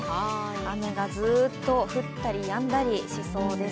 雨がずっと降ったりやんだりしそうです。